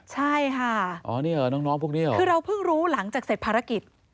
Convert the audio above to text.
ใช่ค่ะอ๋อนี่เหรอน้องพวกนี้เหรอคือเราเพิ่งรู้หลังจากเสร็จภารกิจ